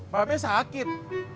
pak ben sakit